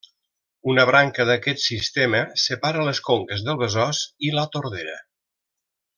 Una branca d'aquest sistema separa les conques del Besòs i la Tordera.